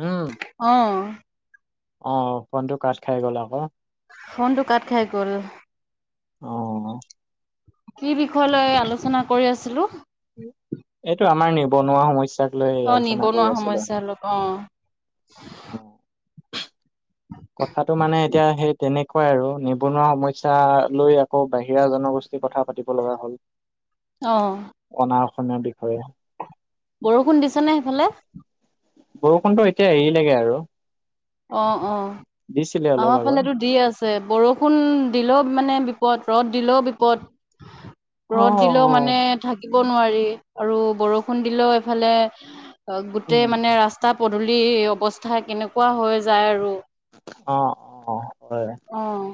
উম, অ'। অ', ফোনটো কাট খাই গ'ল আকৌ। ফোনটো কাট খাই গল। অ'। কি বিষয় লৈ আলোচনা কৰি আছিলো? এইটো আমাৰ নিবনুৱা সমস্যা অ', নিবনোৱা সমস্যা লোক অ'। কথাটো মানে, এতিয়া সেই তেনেক কয় আৰু, নিবনুৱা সমস্যা লৈ আকৌ বাহিৰা জনগোষ্ঠীৰ কথা পাতিব লগা হ'ল। অহ। অসমীয়া বিষয়ে বৰষুণ দিছে নে সেইফালে? বৰষুণতো এতিয়া এৰিলেগে আৰু অ', অ', দিছিলে অলপ আমাৰ আগত ফালে টো দি আছে বৰষুণ দিলেও মানে বি বিপদ, ৰ'দ দিলেও বিপদ, অ', ৰ'দ দিলেও অ', মানে ঠা থিব নোৱাৰি আৰু বৰষুণ দিলেও এইফালে গোটেই উম। মানে ৰাস্তাত পদুলি অৱস্থা কেনেকুৱা হৈ যায় আৰু অ', অ', হয় অ',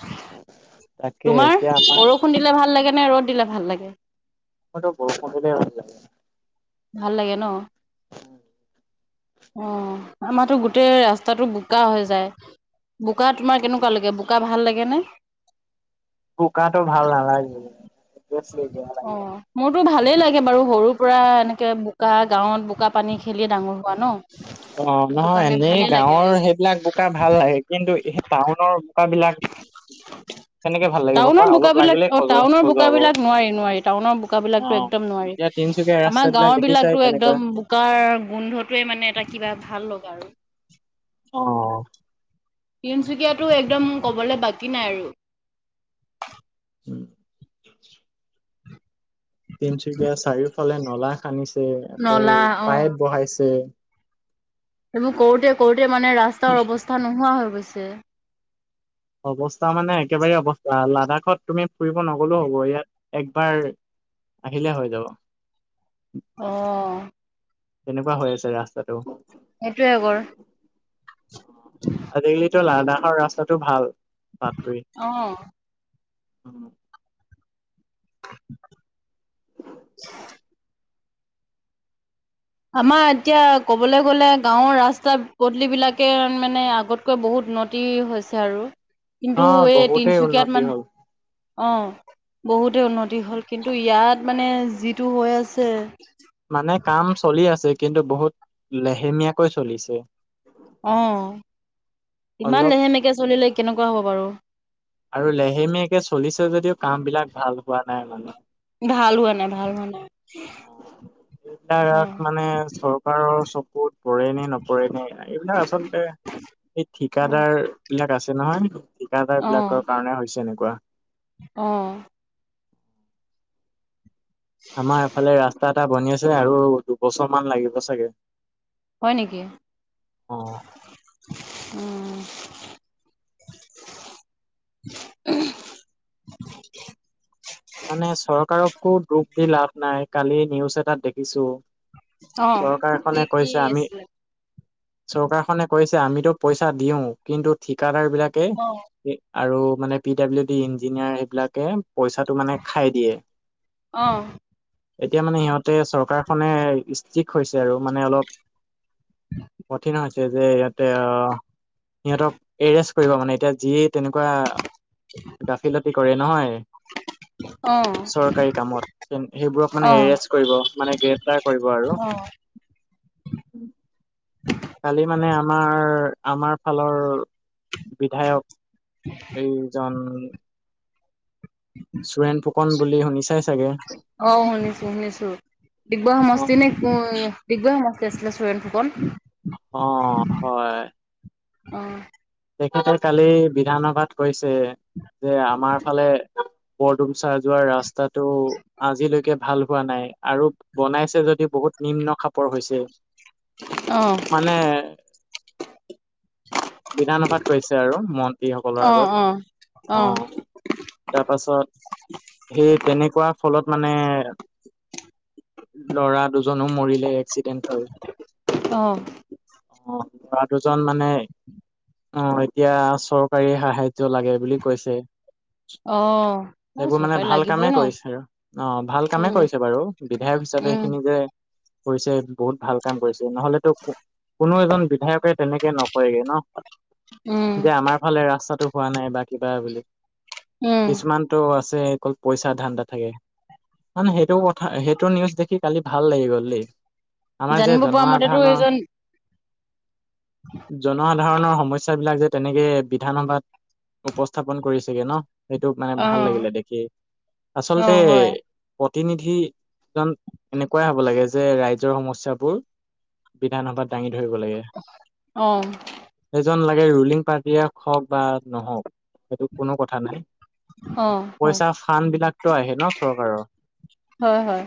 [unintelligible] তোমাৰ, এতিয়া আমাৰ বৰষুণ দিলে ভাল লাগে নে ৰ'দ দিলে ভাল লাগে? মইটো বৰষূণ দিলেই ভাল লাগে। ভাল লাগে ন? অ', আমাটো গোটেই ৰাস্তাটো বোকা হৈ যায়। বোকা তোমাৰ কেনেকুৱা লাগে বোকা ভাল লাগে নে? বোকাটো ভাল নালাগে। [unintelligible] বেয়া লাগে। টো ভালেই লাগে বাৰু সৰুৰ পৰা এনেকে বোকা গাঁৱত বোকা পানী খেলি ডাঙৰ হ অ', নহয় এনেই লাগে গাঁওৰ আৰু সেইবিলাক বোকা ভাল লাগে, কিন্তু এই টাউনৰ বোকা লাক [unintelligible] টাউনৰ বোকাবলাক, অ', খজ টাউনৰ খজুৱাব অ'। বোকাবলাক নোৱাৰি-নোৱাৰি টাউনৰ বোকাবলাকটো একদম এতিয়া তিনচুকীয়া নোৱাৰি আমাৰ ৰাস্তাবিলাক গাঁওৰ দেখিছাই বিলাকতো কেনেকুৱা একদম বোকাৰ গোন্ধটোৱে মানে এ কিবা ভাল লগা আৰু অ', তিনচুকীয়াাতটো একদম কবলৈ বাকী নাই আৰু উম। তিনচুকীয়া চাৰিওফালে নলা খান্দিছে আকৌ নলা অ' পাইপ বহাইছে। সেইবোৰ কৰোতে-কৰোতে মানে ৰাস্তাৰ অৱস্থা নোহোৱা হৈ গৈছে। অৱস্থা মানে একেবাৰে অৱস্থা ল লডাখত তুমি ফুৰিব নগলেও হ'ব ইয়াত একবাৰ আহিলে হৈ যাব। অহ। তেনেকুৱা হৈ আছে ৰাস্তাটো। সেইটোয়ে কৰ আজিকালিতো লাডাখৰ ৰাস্তাতটো ভাল। অহ, উম, [inaudible] আমাৰ এতিয়া ক'বলৈ গ'লে গাঁৱৰ ৰাস্তা পদূলি বিলাকে মানে আগতকৈ বহুত উন্নতি হৈছে আৰু কিন্তু অ' এই বহুতেই তিনচুকীয়াত উন্নতি মান হ'ল। অ ', বহুতে উন্নতি হ'ল কিন্তু ইয়াত মানে যিটো হৈ আছে মানে, কাম চলি আছে কিন্তু বহুত লেহেমীয়াকৈ চলিছে। অহ, ইমান অলপ লেহেমেকে চলিলে কেনেকুৱা হ'ব বাৰু। আৰু লেহেমিয়েকে চলিছে যদিও কাম বিলাক ভাল হোৱা নাই সিমানো। ভাল হোৱা নাই-ভাল হোৱা নাই। অ এইবিলাক মানে চৰকাৰৰ চকুত পৰে নে নপৰে নে এইবিলাক আচলতে এই ঠিকাদাৰ বিলাক আছে নহয় ঠিকাদাৰ বিলাকৰ কাৰণে হৈছে এনেকুৱা। অহ, আমাৰ এফালে ৰাস্তা এটা বনি আছে আৰু দুবছৰ মান লাগিব চাগে হয় নেকি? অ উম, [inaudible] মানে চৰকাৰকো দুখ দি লাভ নাই। কালি নিউজ এটাত দেখিছোঁ অ কি চৰকাৰখনে কি কৈছে আমি আছিলে চৰকাৰখনে কৈছে আমিতো পইচা দিওঁ কিন্তু ঠিকাদাৰ বিলাকে অ আৰু মানে পি ডাব্লিউ ডি ইঞ্জিয়াৰবিলাকে পইচা টো মানে খাই দিয়ে। অ'। এতিয়া মানে সিহঁতে চৰকাৰখনে ষ্ট্ৰিক হৈছে আৰু মানে অলপ কঠিন হৈছে যে ইয়াতে আ সিহঁতক এৰেষ্ট কৰিব মানে এতিয়া যিয়ে তেনেকুৱা গাফিলতি কৰে নহয় অ'। চৰকাৰী কামত সেইবোৰক মানে অ এৰেষ্ট কৰিব মানে গ্ৰেপ্তাৰ কৰিব আৰু। অ উম। কালি মানে আমাৰ আমাৰ ফালৰ বিধায়ক এইজন চোৰেন ফুকন বুলি শুনিছাই চাগে। অ' শুনিছোঁ শুনিছোঁ। ডিগবৈ অ সমস্তি নে ক-ডিগবৈ সমচ টিৰ আছিলে চোৰেন ফুকন। অ' হয়। অ'। তেখেতে কালি বিধানসভাত কৈছে যে আমাৰ ফালে বৰদুমচাহ যোৱা ৰাস্তাটো আজিলৈকে ভাল হোৱা নাই আৰু বনাইছে যদি বহুত নিম্ন খাপৰ হৈছে। অ মানে বিধানসভাত কৈছে আৰু মন্ত্ৰীসকলৰ অ আগত। অ অ' তাৰপাছত সেই তেনেকুৱা ফলত মানে ল'ৰা দুজনো মৰিলে এক্সিডেন্ট হৈ। অ'। অ', ল'ৰা দুজন মানে অ' এতিয়া চৰকাৰী সাহাৰ্য লাগে বুলি কৈছে। অ'। অ সেইবোৰ মানে চৰকাৰী ভাল লাগিবই কামেই ন কৰিছে আৰু অ' ভাল কামেই উম কৰিছে বাৰু বিধায়ক হিচাপে উম এইখিনি যে কৰিছে বহুত ভাল কাম কৰিছে, নহ'লেতো কোনো এজন বিধায়কে তেনেকে নকৰেগে ন'। উম যে আমাৰ ফালে ৰাস্তাটো হোৱা নাই বা কিবা বুলি। উম কিছুমানটো আছে অকল পইচা ধানদাত থাকে। মানে সেইটো কথা সেইটো নিউজ দেখি কালি ভাল লাগি গ'ল দেই। আমাৰ যে জানিব পৰা মতেতো জনসাধাৰণৰ এইজন জনসাৰ সাধৰণৰ সমস্যাবিলাক যে তেনেকে বিধানসভাত উপস্থাপন কৰিছেগে ন'। সেইটোক মানে অ ভাল লাগিলে দেখি। অ আচলতে হয় প্ৰতিনিধিজন এনেকুৱাই হ'ব লাগে যে ৰাইজৰ সমস্যাবোৰ বিধানসভাত ধাঙি অ'। জন লাগে ৰুলিং পাৰ্টীয়ে হওক বা নহওক সেইটো কোনো কথা নাই। অ হয় পইচাৰ ফান্ডবিলাকতো আহে ন' চৰকাৰৰ। হয় হয়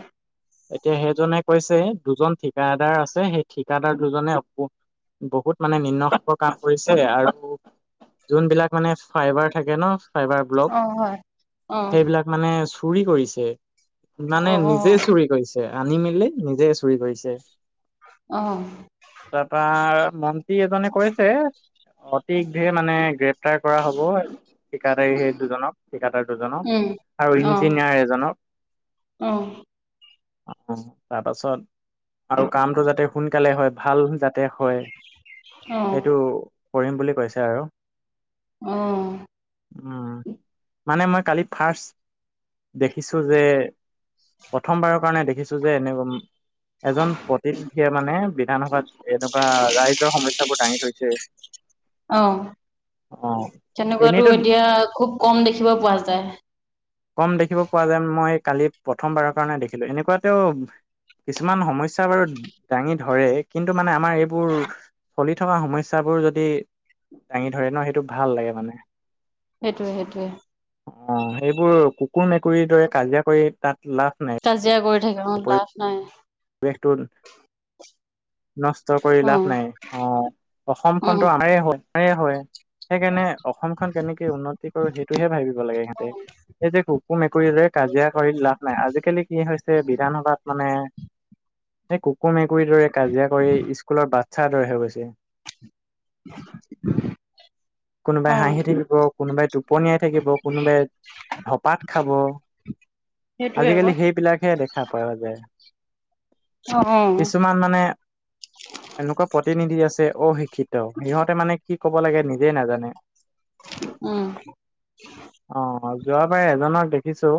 এতিয়া সেইজনে কৈছে দুজন ঠিকাদাৰ আছে সেই ঠিকাদাৰ দুজনে বহুত মানে নিম্ন কাম কৰিছে আৰু জোনবিলাক মানে ফাইবাৰ থাকে ন ফাইবাৰ ব্লক অ হয় অ সেইবিলাক মানে চুৰি কৰিছে মানে অ নিজে চুৰি কৰিছে আনি মেলি নিজে চুৰি কৰিছে। অ তাৰপৰা মন্ত্ৰী এজনে কৈছে অতিঘে মানে গ্ৰেপ আাৰ কৰা হ'ব ঠিকাদাৰী সেই দুজনক ঠিকাদাৰ দুজনক উম আৰু অ ইঞ্জিনিয়াৰ এজনক অ'। অ, তাৰপাছত আৰু কামটো যাতে সোনকালে হয় ভাল যাতে হয়। অ'। সেইটো কৰিম বুলি কৈছে আৰু। আহ। উম, মানে মই কালি ফাৰ্ষ্ট দেখিছো যে প্ৰথমবাৰৰ কাৰণে দেখিছো যে এনে এজন প্ৰতিনিধিয়ে মানে বিধানসভাত এনেকুৱা ৰাইজৰ সমস্যা বোৰ দাঙি থৈছে। অ, তেনেকুৱাতটো এনেইতো এতিয়া খুব কম দেখিব পোৱা যায়। কম দেখিব পোৱা যায়। মই কালি প্ৰথমবাৰৰ কাৰণে দেখিলো এনেকুৱাতও কিছুমান সমস্যা বাৰু দাঙি ধৰে, কিন্তু মানে আমাৰ এইবোৰ চলি থকা সমস্যাবোৰ যদি দাঙি ধৰে ন, সেইটো ভাল লাগে মানে সেইটোৱে, সেইটোৱে। অ, সেইবোৰ কুকুৰ, মেকুৰীৰ দৰে কাজিয়া কৰি তাত লাভ নাই। [unintelligible] লাভ নাই। বেকটন নষ্ট কৰি অ লাভ নাই অ, অ অসমখনতো আমাৰ হয়, আম হয়। সেইকাৰণে অসমখন কেনেকে উন্নতি কৰো, সেইটোহে ভাবিব লাগে সিহঁতে। এই যে কুকু মেকুৰী দৰে কাজিয়া কৰিত লাভ নাই। আজিকালি কি হৈছে বিধান সভাত মানে সেই কুকুৰ, মেকুৰীৰ দৰে কাজিয়া কৰি স্কুলৰ বাচ্ছাৰদৰে হৈ গৈছে। কোনোবাই অ হাঁহি থাকিব। টোপনীয়াই থাকিব, কোনোবাই ধপাত খাব। সেইটোয়ে আজিকালি আকৌ সেইবিলাকহে দেখা পায়, যোয়। অ অ কিছুমান মানে এনেকুৱা প্ৰতিনিধি আছে। অশিক্ষিত সিহঁতে মানে কি ক'ব লাগে নিজে নাজানে। উম। অ, যোৱাবাৰ এজনক দেখিছো,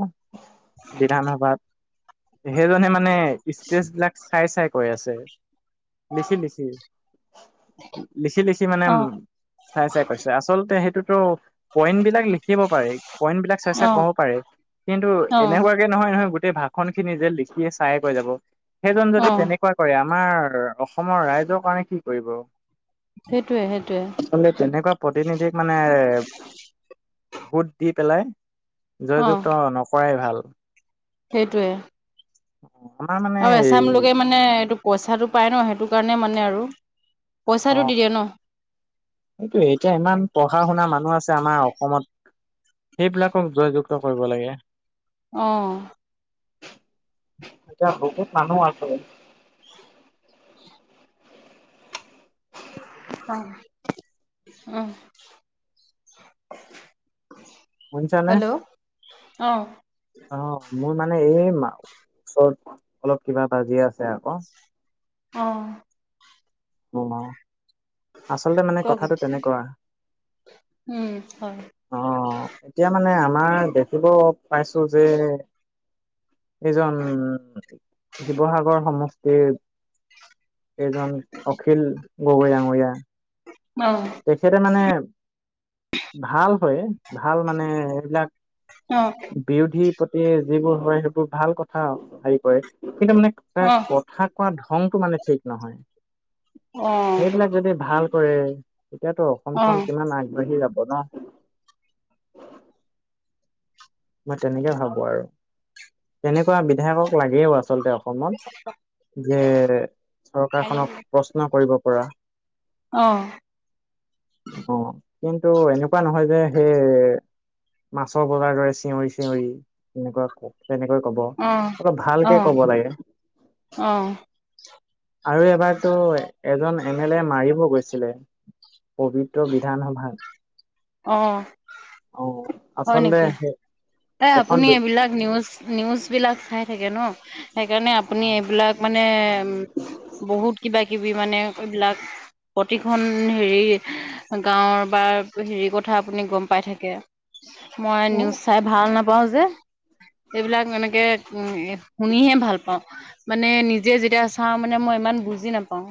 বিধানসভাত সেইজনে মানে স্পেচ বিলাক, চাই, চাই কৈ আছে, লিখি, লিখি লিখি, লিখি মানে অ উ, চাই, চাই কৈছে আচলতে সেইটোত ত, পইণ্ট বিলাক লিখিব পাৰি। পইন্ট বিলাক চ, চাই অ ক'ব পাৰে। কিন্তু অ এনেকুৱাকে নহয়, নহয়, গ গোই ভাষ খিনি যে লিখিয়ে চাইে কৈ যাব। সেইজন অ যদি তেনেকুৱা কৰে। আমাৰ অসমৰ ৰাইজৰ কাৰণে কি কৰিব। সেইটয়ে, সেইটোৱে। ৰীতি, নীতিক মানে ভোত দি পেলাই জয়যুক্ত নকৰাই ভাল। সেইটোৱে। আমাৰ মানে আৰু এই এচাম লোকে মানে এইটো পইচাটো পায় ন, সেইটো কাৰণে মানে আৰু অ, পইচাটো দি দিয়ে ন সেইটো এতিয়া ইমান পঢ়া, শুনা মানুহ আছে, আমাৰ। অসমত সেইবিলাকক জয়যুক্ত কৰিব লাগে। আহ। এতিয়া বুকুত মানুহ আছে। [unintelligible] অ, উম। [unintelligible] নে অ অ', মোৰ মানে, এই ওচৰত অলপ বাজিয আছে আকৌ অ', অ', চলতে মানে কওক কথাটো তেনেকুৱা উম, হয়। অ এতিয়া মানে আমাৰ দেখিব পাইছো যে এজন, শিৱসাগৰ সমষ্টিৰ এইজন অখিল গগৈ ডাঙৰীয়া অ তেখেতে মানে ভাল হয়, ভাল মানে এইবিলাক অ বিৰোধীৰ প্ৰতি যিবোৰ হয়, সেইবোৰ ভাল কথা হেৰি কৰে কিন্তু মানে, অ তাৰ কথা কোৱা ধংটো মানে, ঠিক নহয় অ সেইবিলাক যদি ভাল কৰে তেতিয়াতো অ অসমখন কিমান আগবাঢ়ি যাব [unintelligible] মই, তেনেকে ভাবো আৰু তেনেকুৱা বিধায়কক লাগেও আচলতে অসমত যে, চৰকাৰখনক প্ৰশ্ন কৰিব পৰা আহ, অ', কিন্তু এনেকুৱা নহয় যে সেই মাছৰ বজাৰ দৰে চিঞৰি চিঞৰি এনেকুৱা ক তেনেকৈ কব অলপ ভালকে অ', কব লাগে অ', আৰু এবাৰতো এজন এম এল এ মাৰিব গৈছিলে পবিত্ৰ বিধানসভাত আহ, অ হয় আচলতে নেকি? সেই এ এখন আপুনি এইবিলাক নিউজ নিউজ বিলাক চাই থাকে ন? সেইকাৰণে, আপুনি এইবিলাক মানে উ বহুত কিবা কিবি মানে এইবিলাক প্ৰতিখন হেৰি গাঁওৰ বা হেৰিৰ কথা আপুনি গম পাই থাকে মই অ নিউজ চাই ভাল নাপাওঁ যে এইবিলাক এনেকে উম, শুনিহে ভাল পাওঁ মানে নিজে যেতিয়া চাওঁ মানে মই ইমান বুজি নাপাওঁ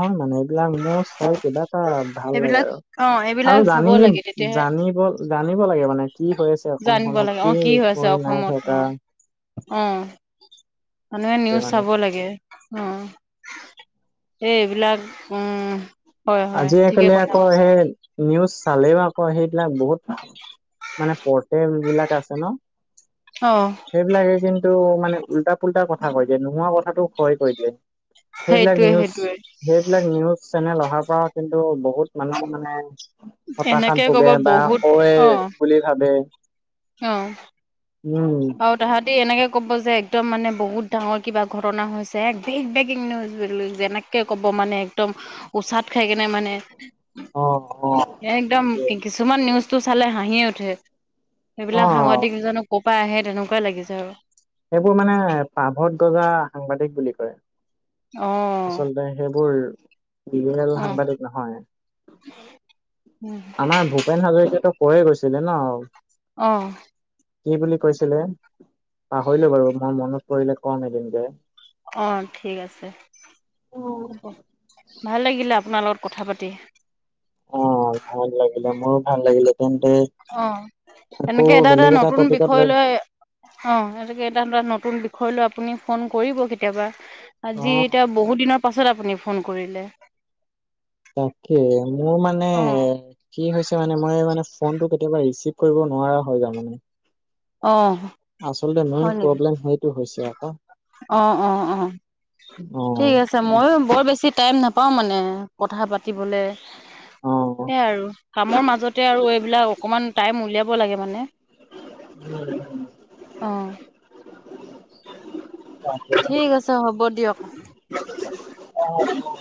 অ', মানে, এইবিলাক মোৰ চাই কিবা এটা ভাল লাগে সেইবিলাক আৰু অ', এইবিলাক আৰু চাব জানি লাগে তেতিয়াহে জানিব জানিব লাগে মানে কি হৈ আছে জানিব অসমখনত লাগে কি হৈ নাই থকা উম, মানে সেইটোৱে নিউজ মানে চাব লাগে অ', ইবিলাক উম, হয় হয় ঠিকে আজিকালি কথা আকৌ কৈছে সেই নিউজ চালেও আকৌ সেইবিলাক বহুত মানে পটেল বিলাক আছে ন অ সেইবিলাকে কিন্তু টো মানে উল্টা পুল্টা কথা কৈ দিয়ে নোহোৱা কথাটো হয় কৈ দিয়ে সেইবিলাক সেইটোৱে নিউজ সেইটোৱে সেইবিলাক নিউজ চেনেল অহাৰ পৰা কিন্তু, বহুত মানুহ মানে হতাশাত এনেকে ক'ব ভোগে বা বহুত [unintelligible] বুলি ভাবে আহ, উম, এনেকে ক'ব যে একদম মানে, বহুত ডাঙৰ কিবা ঘটনা হৈছে, এক বেগ বেগিং নিউজ যেনেকে কে কব মানে, একদম উচাত খাই কেনে মানে অ অ একদম সেইটোৱে কিছুমান নিউজতটো চালে হাঁহিয়ে উঠে অ সেইবিলাক সাংবাদিক এজনক ক'ৰ পৰা আহে তেনেকুৱাই লাগিছে আৰু সেইবোৰ মানে পাভদ গজা সাংবাদিক বুলি কয় অ আচলতে সেইবোৰ বিল অ উম সাংবাদিক নহয় আমাৰ ভূপেন হাজৰিকটো পঢ়াই গৈছিলিলে ন আহ, কি বুলি কৈছিলে পাহৰিলো বাৰু মই, মনত পৰিলে কম এদিন যে অ, ঠিক আছে হব ভাল লাগিলে আপোনাৰ লগত কথা পাতি অ', ভাল লাগিলে মোৰো ভাল লাগিলে তেন্তে অ', আকৌ নেকে এটা এটা বেলেগ নতুন টপিকত বিষয় লৈ অ', নেকে এটা ধৰা নতুন বিষয় লৈ আপুনি ফোন কৰিব কেতিয়াবা! অ আজি এতিয়া বহুত দিনৰ পাছত আপুনি ফোন কৰিলে তাকে মোৰ মানে অ', কি হৈছে মানে মই মানে, ফোনটো কেতিয়াবা ৰিচিভ কৰিব নোৱাৰা হয় য মানে অ', আচলতে মেইন হয় নেকি প্ৰব্লেম সেইটো হৈছে আকৌ অ', অ', ঠিক আছে ময়ো বৰ বেছি টাইম নাপাও মানে, কথা পাতিবলে অ অ সেইয়াই আৰু কামৰ মাজতে আৰু এইবিলাক অকমান টাইম উলিয়াব লাগে মানে উম, আহ, আছে হ'ব দিয়ক [unintelligible]